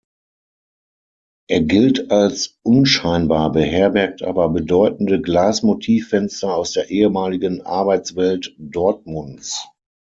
Er gilt als unscheinbar, beherbergt aber bedeutende Glas-Motiv-Fenster aus der ehemaligen Arbeitswelt Dortmunds.